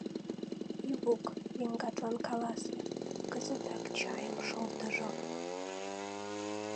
— Ивук, еҥгатлан каласе: кызытак чайым шолтыжо.